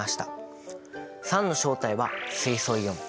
酸の正体は水素イオン。